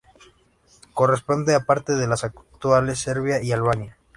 Corresponde a parte de las actuales Serbia y Albania.